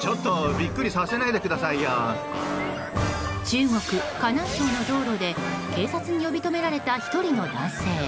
中国・河南省の道路で警察に呼び止められた１人の男性。